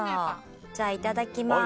じゃあいただきます。